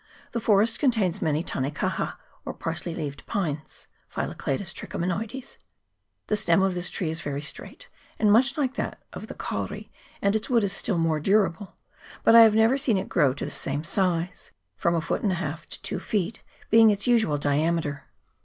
The forest contains many tanekaha or parsley leaved pines (Phyllocladus trichomanoides). The stem of this tree is very straight, and much like that of the kauri, and its wood is still more durable ; but I have never seen it growing to the same size, from a foot and a half to two feet being its usual diameter.